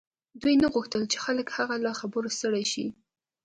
دوی نه غوښتل چې خلک د هغه له خبرو ستړي شي